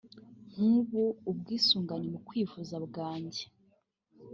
“Nk’ubu ubwisungane mu kwivuza bwanjye